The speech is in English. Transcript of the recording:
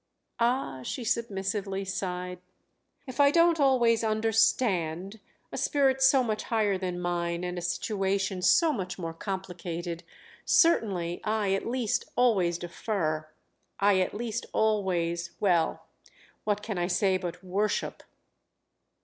"Ah," she submissively sighed, "if I don't always 'understand' a spirit so much higher than mine and a situation so much more complicated, certainly, I at least always defer, I at least always—well, what can I say but worship?"